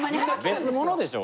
別物でしょ。